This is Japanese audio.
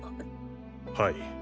はい。